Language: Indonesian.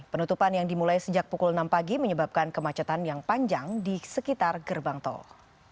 penutupan yang dimulai sejak pukul enam pagi menyebabkan kemacetan yang panjang di sekitar gerbang tol